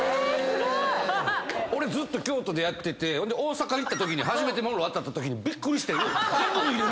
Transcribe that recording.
ずっと京都でやってて大阪行ったときに初めてモンロー当たったときにびっくりして。